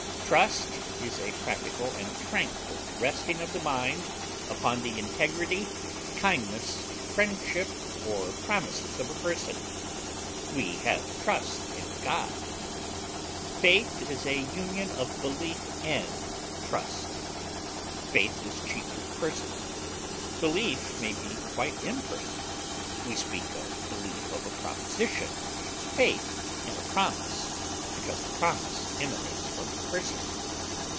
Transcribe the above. Trust is a practical and tranquil resting of the mind upon the integrity, kindness, friendship, or promises of a person; we have trust in God. Faith is a union of belief and trust. Faith is chiefly personal; belief may be quite impersonal; we speak of belief of a proposition, faith in a promise, because the promise emanates from a person.